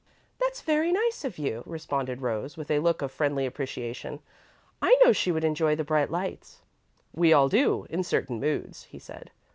"That's very nice of you," responded Rose, with a look of friendly appreciation. "I know she would enjoy the bright lights." "We all do, in certain moods," he said.